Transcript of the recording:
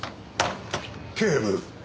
警部。